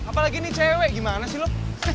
apalagi nih cewek gimana sih lo